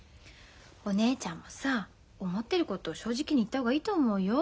お姉ちゃんもさ思ってること正直に言った方がいいと思うよ。